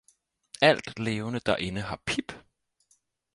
Alt levende derinde har pip!